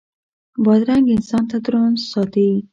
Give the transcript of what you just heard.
بادرنګ انسان تندرست ساتي.